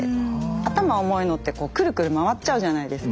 頭重いのってくるくる回っちゃうじゃないですか。